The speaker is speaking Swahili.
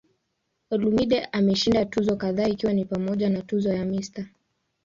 Olumide ameshinda tuzo kadhaa ikiwa ni pamoja na tuzo ya "Mr.